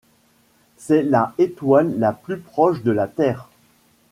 C'est la étoile la plus proche de la Terre.